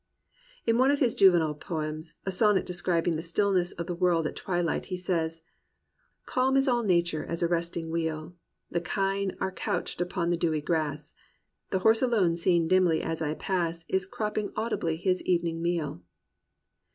In one of his juvenile poems, a sonnet describing the stillness of the world at twilight, he says : "Calm is all nature as a resting wheel; The kine are couched upon the dewy grass. The horse alone seen dimly as I pass. Is crop'ping audibly his evening meal.